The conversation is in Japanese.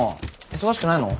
忙しくないの？